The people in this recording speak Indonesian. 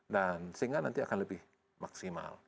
dan sehingga nanti akan lebih maksimal